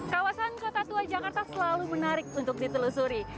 kawasan kota tua jakarta selalu menarik untuk ditelusuri